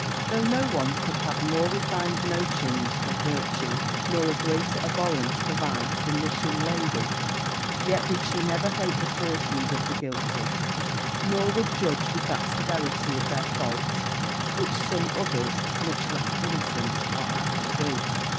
Though no one could have more refined notions of virtue, nor a greater abhorrence for vice, than this young lady, yet never did she hate the persons of the guilty; nor would judge with that severity of their faults which some others, much less innocent, are apt to do.